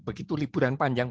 begitu liburan panjang